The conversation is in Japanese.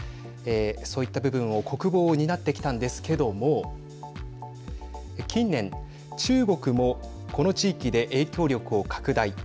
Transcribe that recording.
そういった部分を国防を担ってきたんですけども近年、中国もこの地域で影響力を拡大。